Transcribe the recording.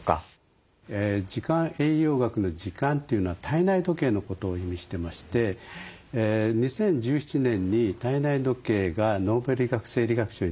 時間栄養学の「時間」というのは体内時計のことを意味してまして２０１７年に体内時計がノーベル医学・生理学賞になりましたよね。